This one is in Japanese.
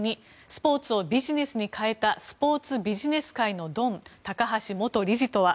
２スポーツをビジネスに変えたスポーツビジネス界のドン高橋元理事とは。